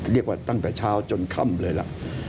เรียกว่าตั้งแต่เช้าจนค่ำเลยล่ะ